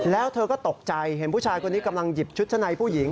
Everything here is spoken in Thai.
แล้วเธอก็ตกใจเห็นผู้ชายคนนี้กำลังหยิบชุดชั้นในผู้หญิง